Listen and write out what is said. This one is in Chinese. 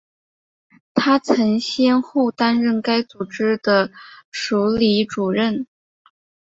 她曾先后担任该组织的署理主席。